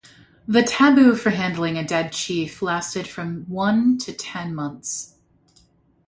The taboo for handling a dead chief lasted from one to ten months.